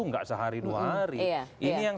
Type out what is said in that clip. enggak sehari dua hari ini yang